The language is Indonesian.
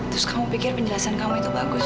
terus kamu pikir penjelasan kamu itu bagus